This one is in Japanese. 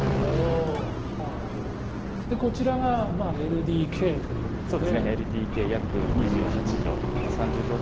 こちらがＬＤＫということですね。